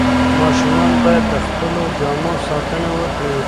ماشومان باید د خپلو جامو ساتنه وکړي.